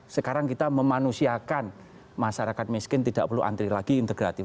sekarang kita memanusiakan masyarakat miskin tidak perlu antri lagi integratif